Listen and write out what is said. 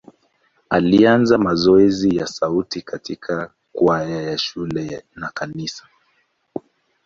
Alianza mazoezi ya sauti katika kwaya ya shule na kanisa.